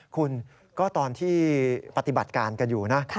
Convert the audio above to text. คุณก็ตอนที่ปฏิบัติการกันอยู่นะ